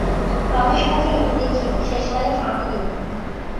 রমেশ কহিল, দেখিয়ো, শেষকালে ফাঁকি দিয়ো না।